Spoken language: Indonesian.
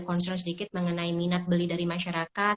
kontrol sedikit mengenai minat beli dari masyarakat